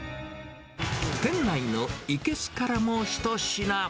店内の生けすからも一品。